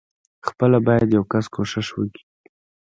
خپله بايد يو کس کوښښ وکي.